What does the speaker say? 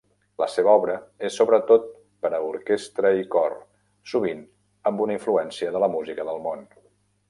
La seva obra és sobretot per a orquestra i cor, sovint amb una influència de la música del món.